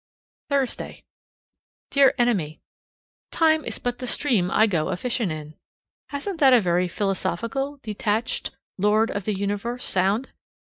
Thursday. Dear Enemy: "Time is but the stream I go a fishing in." Hasn't that a very philosophical, detached, Lord of the Universe sound?